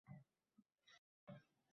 Shuni gapirayotgan insonga aylanib qolaman.